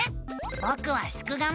ぼくはすくがミ。